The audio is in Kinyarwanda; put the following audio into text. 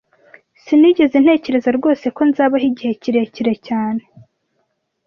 Sinigeze ntekereza rwose ko nzabaho igihe kirekire cyane